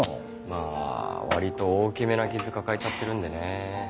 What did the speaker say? まぁ割と大きめな傷抱えちゃってるんでね。